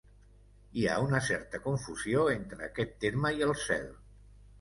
Hi ha una certa confusió entre aquest terme i el cel.